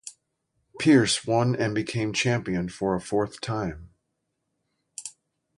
Pearce won and became champion for a fourth time.